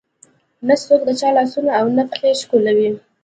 نه څوک د چا لاسونه او نه پښې ښکلوي.